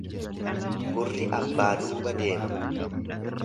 Gurri abbaa duuba deema.